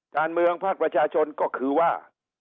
การเมืองภาคประชาชนก็คือว่า